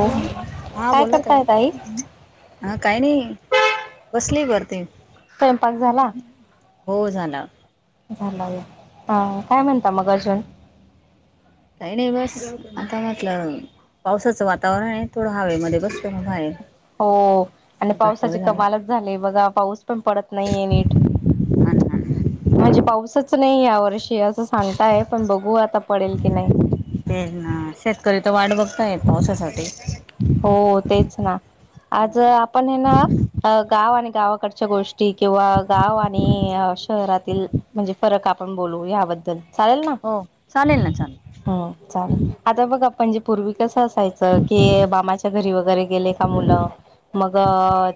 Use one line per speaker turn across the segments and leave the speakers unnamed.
Hello हा
काय
बोला ताई
करताय
हा काही नाही बसली वर ती
स्वयंपाक झाला
झाला
ह काय म्हणता मग अजून [unintelligible]
काही नाही बस आता म्हटलं पावसाचं [unintelligible]
हो आणि
स्वयंपाक
पावसाचे
वगैरे झाला
कमालच झाले बघा पाऊस पण पडत नाहीय नीट
अन्न
[unintelligible] नाही यावर्षी [unintelligible] अस सांगताय पण बघू आता पडेल की नाही
ते ना शेतकरी तर वाट बघताय
[unintelligible]
पावसासाठी [unintelligible]
हो तेच ना [unintelligible] गावाकडच्या गोष्टी किंवा गाव आणि शहरातील म्हणजे फरक आपण बोलू याबद्दल [unintelligible] चालेल ना
हो चालेल ना चालेल
ह चालेल आता बघा पंजाब [unintelligible] पूर्वी कसं असायचं की बा [unintelligible] माच्या घरी वगैरे गेले का मुलं मग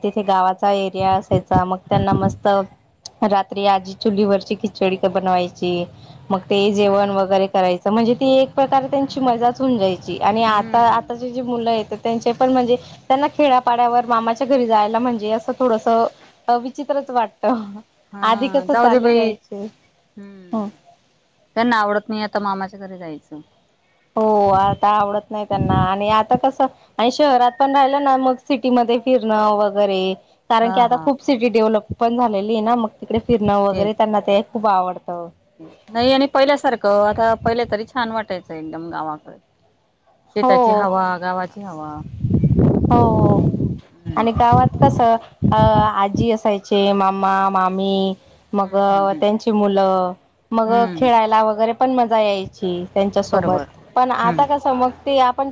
तिथे गावात [unintelligible] एरिया असायचा मग त्यांना मस्त [unintelligible] रात्री आजी चुलीवररची खिचडी बनवायची मग ते जेवण वगैरे करायचं म्हणजे ती एक प्रकार त्यांची मजाच होऊन जायची [unintelligible] आणि आता
हम्म
आता ज जे मुलं आहेत [unintelligible] त्यांचे पण म्हणजे त्यांना खेड्यापाड्यावर मामाच्या घरी जायला म्हणजे असं थोडसं विचित्रच वाटत [unintelligible]
हा
आधी कसं
जाऊ दे
चालले
बाई
जायचे. हम्म
हम्म त्यांना आवडत नाही आता मामा [unintelligible] घरी जायचं
हो आता आवडत नाही त्यांना आणि आता कसं आणि शहरात पण राहिलं ना मग सिटी [unintelligible] कारण
हा
की आता
हा
खूप सिटी डेव्हलप पण झाले
तेच
खूप आवडं
नाही आणि पहिल्यासारखं आता पहिले तरी छान वाटायचं एकदम गावाकड
हो
शेताची हवा गावाची हवा
हो
हम्म
मग
हम्म हम्म
त्यांची
हम्म
पण मजा यायची त्यांच्या
बरोबर
सोबत पण
हम्म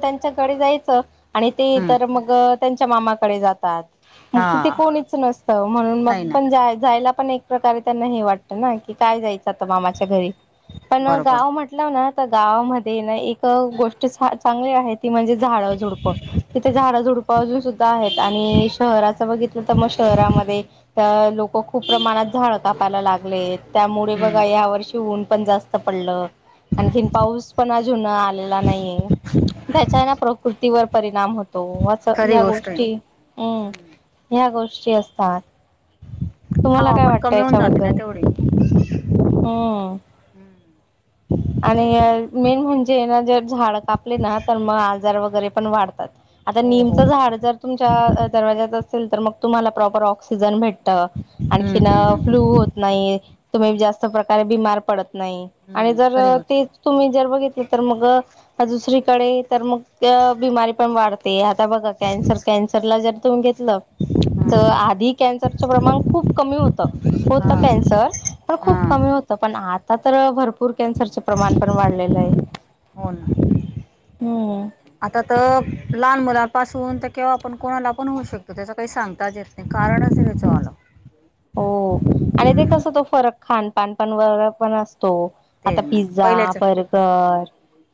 त्यांच्याकडे जायच आणि
हम्म
तर मग त्यांच्या मामाकडे जातात मग
हा
तिथे कोणीच नसत म्हणून मग
नाही ना
पण जायला पण एक प्रकारे त्यांना हे वाटतं ना मामाच्या घरी पण
बरोबर
गाव म्हंटलं ना गावामध्ये ना एक गोष्ट ती म्हणजे झाडं झुडप तिथे झाडझुडपं अजून सुद्धा आहे आणि शहरात बघितले तर शहरांमध्ये तर लोक खूप प्रमाणात झाड कापायला लागले त्यामुळे बघा
हम्म
यावर्षी ऊन ऊन जास्त पडलं आणखीन पाऊस पण अजून आत मला नाहीये त्याच्याने प्रकृतीवर परिणाम होत व्हता
खरी
या
गोष्ट आहे
गोष्टी ह
हम्म
या गोष्टी सिंह स्थान
हवा पण कमी होऊन जाते त्याच्या एवढी
हम्म आणि मेन म्हणजे ना जर झाड कापले ना तर मग आजार वगैरे पण वाढतात आता
हो हो
नेमकं
हम्म
झाड जर तुमच्या दरवाज्यातच नंतर मग तुम्हाला प्रॉपर ऑक्सीजन भेट
हम्म
आणखीन प्लीव
हम्म
होत नाही तुम्ही
हम्म
जास्त प्रकारे बिमार पडत नाही आणि
नाही खरी गोष्ट
ते
आहे
तुम्ही जर बघितले तर मंग दुसरी तिकडे तर मग बीमारी पण वाढते यात तर बघा कॅन्सर कॅन्सरला जर सांगितलं तर आधी कॅन्सरचे प्रमाण खूप कमी होतं
हा
होतं
हा
कॅन्सर तर
हा
खूप कमी होतं पण आता तर भरपूर भरपूर कॅन्सरचं प्रमाण पण वाढलेले
हो ना
ह
आता तर लहान मुलांपासून तर किंवा आपण कोणाला पण होऊ शकतो त्याच काही सांगताच येत नाही कारणच त्याच वालं
हो आणि ते कस तो फरक खानपानपण वर पण असतं तो आता
तेच ना
पिझ्झा
पहिल्याच
बर्गर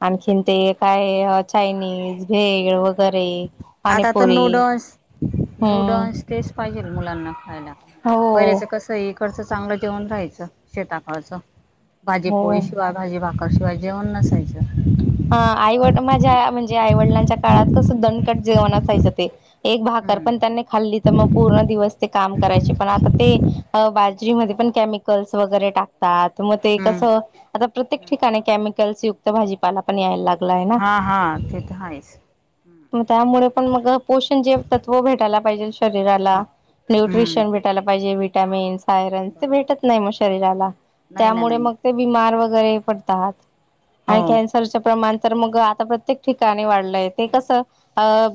आणखीन ते काय चायनीज भेळ वगै
आता तर नूडल्स
हम्म
नूडल्स तेच पाहिजे. मुलांना. खायला पहिले
हो
ते कसय तसं चांगलं जेवण राहायचं शेता कडचं. भाजी पोळी
हो
शिवाय भाजी भाक याशिवाय जेवण नसायचं.
हा आईवड माझ्या म्हणजे आईवडिलांच्या काळात कसं दणकट जेवण असायचं ते. एक भाकर
हम्म
पण त्यांनी खाल्ली तर मग पूर्ण दिवस ते काम करायची पण आता ते बाजरीमध्ये पण केमिकल्स वगैरे टाकतात. मग ते
हम्म.
कसं आता प्रत्येक ठिकाणी केमिकल कलसुक्त भाजी. मला पण यायला ला
हा हा ते तर आहेच हम्म
त्यामुळे पण म पोषण जे तत्व भेटायला पाहिजे शरीराला,
मग हम्म
नुट्रीशन भेटायला पाहिजे. टामिन्स. कायरन ते
बरोबर.
भेटत नाही. [unintelligible] शरीराला.
नाही ना
त्यामुळे
नाही
मग ते बीमार वगै- गरे पडतात.
हो
ऐकायचं. त्या प्रमाण तर मग आता प्रत्येक ठिकाणी वाढलंय ते कसं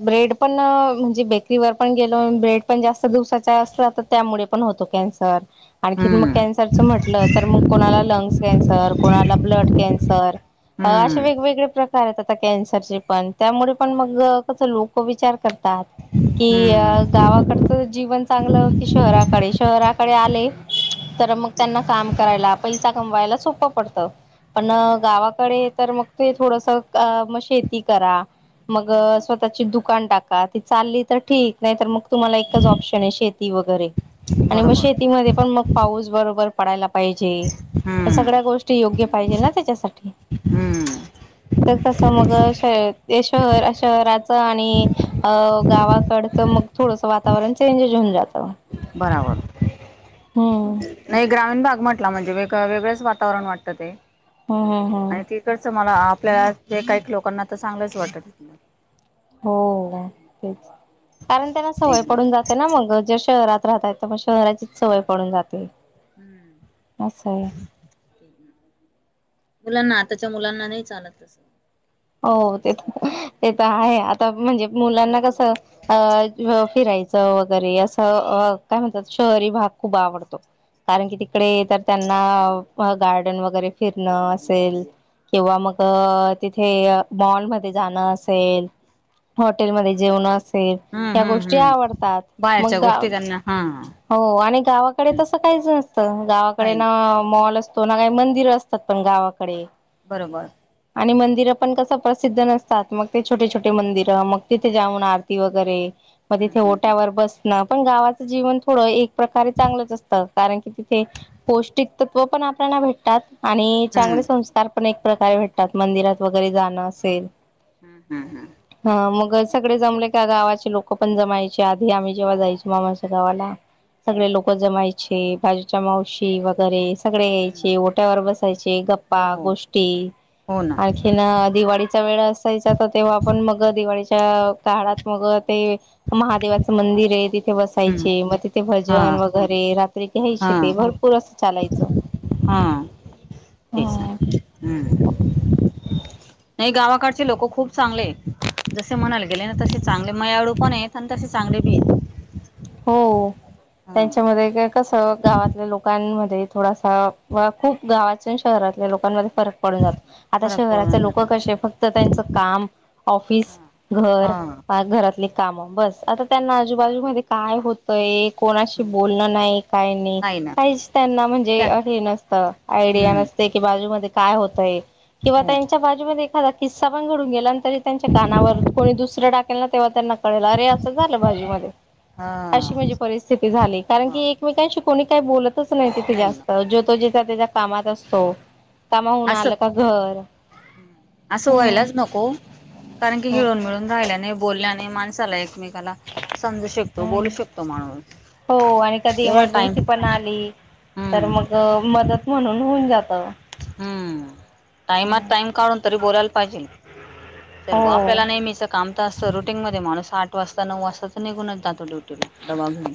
ब्रेड पण म्हणजे बेकरीवर पण गेलो ब्रेड पण जास्त दिवसाचा असला तर त्यामुळे पण होतो कॅन्सर. आणखीन मग
हम्म
कॅन्सरच म्हटलं तर मग कोणाला लंग्स कॅन्सर, कोणाला ब्लड कॅन्सर. अ.. असे
हम्म
वेगवेगळे प्रकार.. आता कॅन्सर ची पण त्यामुळे पण मग कस लोक विचार तात की,
हम्म.
गावाकडचं जीवन.... चांगलं की शहराकडे शहराकडे आले तर मग त्यांना काम करायला पैसा कमवायला सोपं पडत पण
हो
गावाकडे.. तर मग ते थोडस मग शेती करा मग
हा
स्वतःची दुकान टाका ती चालली तर ठीक नाही तर मग तुम्हाला एकच ऑप्शन आहे शेती वगैरे आणि मग
बरोबर
शेतीमध्ये पण मग पाऊस बरोबर पडायला पाहिजे. त
हम्म
सगळ्या गोष्टी योग्य पाहिजे ना त्यांच्यासाठी!
हम्म
तर कसे मग शहर शहराचं आणि गावाकडचं मग थोडस वातावरण चेंजज होऊन जातं.
बराबर.
हम्म
नाही ग्रामीण भाग म्हटला म्हणजेग वेगळंच वातावरण वाटतं ते.
हम्म हम्म हम्म
आणि तिकडचं मल आप आपल्या जे काही [unintelligible] वाटत तिथलं
हो तेच कारण त्यांना सवय पडून जाते ना मग ज शहरात.. राहता तर मग शहराचीच सवय पडून जाते. असे आहे
तेच ना मुलांना आताच्या मुलांना नाही चालत तसं
हो ते पण ते तर आहे आता म्हणजे मुलांना कसं अ फिरायचं वगैरे असं काय म्हणतात शहरी भाग खूप आवडतो कारण कि ती [unintelligible] गार्डन वगैरे फिरणं असेल किंवा मग तिथे हे मॉलमध्ये जाणं असेल हॉटेलमध्येध्ये जेवण असे
हम्म हम्म हम्म
मग
बाहेरच्या
गाव
गोष्टी त्यांना हा
हो आणि गावाकडे तसं काहीच नसतं गावाकडे ना मॉल असतो ना काही मंदिर असतात पण गावाकडे
बरोबर
आणि मंदिरं पण कसं प्रसिद्ध नसतात मग ते छोटे छोटे मंदिरं मग तिथे जाऊन आरती वगैरे मग
हम्म
तिथे
हम्म
ओट्यावर बसणं पण गावाचं जीवन थोडं एक प्रकारे चांगलंच असतं कारण की तिथे पौष्टिक तत्त्व पण आपल्याना भेटतात आणि चांगले
हम्म
संस्कार पण एक प्रकारे भेटतात मंदिरात वगैरे जाणं असेल.
हम्म हम्म हम्म
हा मग
तेच
सगळे जमले त्या गावाचे लोक पण जमायचे आधी आम्ही जेव्हा जायचो मामाच्या गावाला
तेच
सगळे लोक जमायचे बाजूच्या मावशी वगैरे सगळे
हम्म
यायचे ओट्यावर बसायचे गप्पा
हो हो
गोष्टी
हो ना
आणखीन दिवाळीचा वेळ असायचा तर तेव्हा आपण मग दिवाळी काळात मग ते महादेवाचं मंदिर आहे ति
हम्म
बसायचे मग
हा
भजन वगैरे घ्यायचे
हा
ते भरपूर अस चालायचं
हा तेच ना
हम
हम्म इकडंचे लोक खूप चांगले जसे म्हणायला गेले ना तसे चांगले मयाळू पण आहेत आणि तसे चांगले बी आहेत
हो
हा
त्यांच्यामध्ये का कस गावातल्या लोकांमध्ये थोडासा व खूप गावातच्या शहरातल्या लोकांमध्ये ज आता
फरक
शहरातली
पडून
लोक
जातो
कसे फक्त त्यांच काम ऑफिस
हा
घर
हा
घरातली काम बस आता त्यांना आजूबाजूमध्ये काय होत एक कोणाशी बोलणं नाही काही नाही काहीच त्यांना म्हणजे
त्या
हे नसतं आयडिया
हम्म
नसते की बाजूमध्ये काय होत आहे? किंवा
हो
त्यांच्या बाजूमध्ये एखादा कीस्सा पण घडून गेला, तरी त्यांच्या कानावर कोणी दुसरं टाकेल ना तेव्हा त्यांना कळेल अरे असं झालं बाजूमध्ये.
हा
अशी म्हणजे परिस्थिती झाली, कारण
मग
की एकमेकांशी कोणी काय बोलत नाही तिथे जास्त जो तो जे त्या त्याच्या कामात असतो. कामाहून
अस
आलं का घर
असं
हम्म
व्हायलाच नको कारण की
हम्म
हिळून, मिळून राहायला नाही बोलल्याने माणसाला एकमेक समजू शकतो, बोलू
हम्म
शकतो, माणूस.
हो आणि कधी
एवढा टाइम
इमर्जन्सी पण आली, तर
हम्म
मग मदत म्हणून होऊन जात ह!
हम्म टाइमात, टाइम काढून तरी बोलायला पाहिजे. चल
हो
बॉ आपल्याला नेहमीच काम असं रुटीन मध्ये माणुस आठ वाजता नऊ वाजता तर निघूनच जातो ड्युटी डबा घेऊन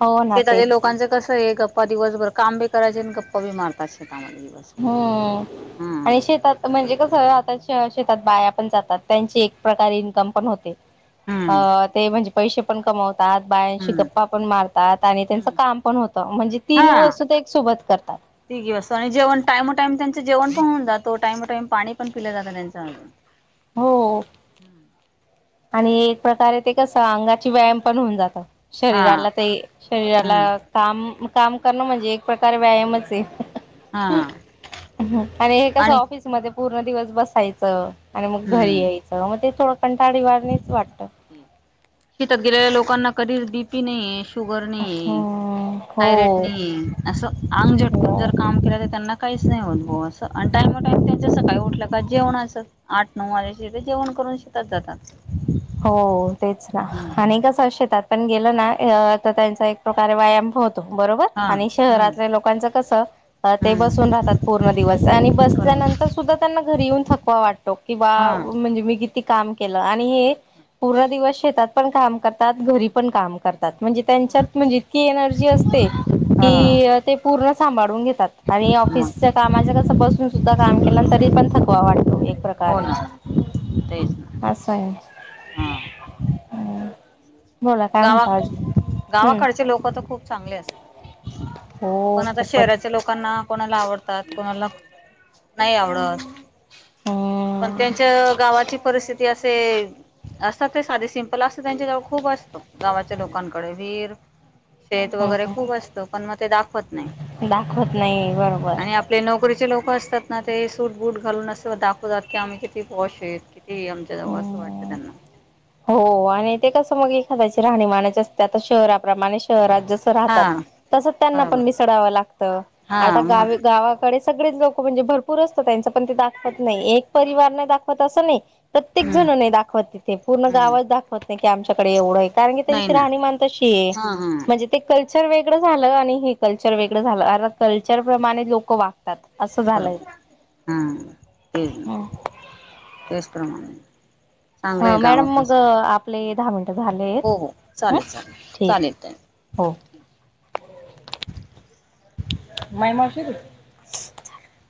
हो ना तेच
शेजारी लोकांच कसं हे गप्पा दिवसभर, काम बी करायचे, न गप्पा बी मारत असे
हो आणि शेतात म्हणजे कस आता शेतात बाया पण जातात, त्यांची एक प्रकारे इन्कम पण होते.
हम्म
ह ते म्हणजे पैसे पण कमावत. बायांशी
हम्म
गप्पा पण मारतात, आणि त्यांच
हम्म
काम पण होत, म्हणजे
हा
तीन वस्तू ते एक सोबत करतात.
टाइमो टाइम त्यांचं जेवण पण हून जातो टाइमो टाइम पाणी पण पिलं जातं त्यांच [inaudible]
हो आणि एक प्रकारे ते कसं अंगाची व्यायाम पण होऊन जात.
हा
शरीराला ते
हम्म
शरीराला काम काम करणं म्हणजे, एक प्रकार व्यायामच हे.
हा
आणि हे कसं ऑफिसमध्ये पूर्ण दिवस बसायचं आणि मग घरी
हम्म
यायचं म ते. तो पण साडीवाणीच वाट
ते तिथं गेलेल्या लोकांना कधीच बी पी नाहीये शुगर नाही
हम्म
थायरेट
हो
नाही असं अंग झटकून
हो
जर काम केलं तर त्यांना काहीच नाही होत भाऊ असं आणि टायमा टाइम त्यांच्या सकाळी उठल्या का जेवण असत आठ नऊ वाजल्या ते जेवण करून शेतात जातात
हो तेच ना
हम्म.
आणि कस शेतात पण गेलो ना तर त्यांचा एक प्रकारे व्यायाम होत बरोबर
हा
आणि
हम्म
शहरातल्या लोकांच कस ते बसून
हम्म
राहतात पूर्ण दिवस आणि
बरोबर
बसल्यानंतर सुद्धा त्यांना घरी येऊन थकवा वाटतो कि बा
हा
म्हणजे मी ती काम केलं आणि एक पूर्ण दिवस शेतात पण काम करतात घरी पण काम करतात म्हणजे त्यांच्यात इतकी एनर्जी असते
हा
की आ ते पूर्ण संभाडून आणि हे
मग
ऑफिसच कामाच कस बसूनसुद्धा काम केलंन तरी पण थकवा वाटतो एक
हो
प्रकारे
ना तेच ना
अस आहे
हा
[inaudible] म्हणता
गावाक
अजून हम्म
गावाकडचे लोक तर खूप चांगले असतात
हो
पण आता
खूपच
शहराच्या लोकांना ला आवडतात कोणाला नाही आवडं पण
हम्म
त्यांच्य गावाची परिस्थिती ते असे, असतात ते साधे सिम्पल असतात त्यांच्याजवळ खूप गावाच्या लोकांकडे विहीर शेत वगैरे
हम्म
खूप असत पण मग ते दाखवत नाही,
दाखवत नाही बरोबर
आणि आपले नोक [inaudible] लोक असतात ना ते सूट बूट घालून अस दाखवतात की आम्ही किती पॉशय ते आमच्याजवळ असं वाटतं
हम्म
त्यांना
हो आहे ते कस मग एखाद्याची राहणीमानच असतात आता शहराप्रमाणे शहरात जस राहतात
हा
तस त्यांना पण
बरोबर
मिसडाव लागत
हा
आता
मग
गावी गावाकडेच सगळेच लोक म्हणजे भरपूर असतात त्यांच पण ते दाखवत नाही एक परिवार न दाखवता असं नाही
हम्म
प्रत्येकजण न दाखवत तिथे न
हम्म
गावा दाखवत की आमच्याकडे एवढंये कारण की
नाही
त्यांची
ना
राहणीमान तशिये
हा हा
म्हणजे ते कल्चर वेगळं झालं आणि हे कल्चर वेगळं झालं कार कल्चर प्रमाणे लोक वा
बरोबर ह तेच ना तेच प्रमाणे चांगलं
हा
आहे
मॅडम मग आपले
गावाकडचं
दहा मिनट झालेत,
हो हो
आहे ह
चालेल चालेल
ठीक
चालेल ताई
हो.
[inaudible]
[inaudible]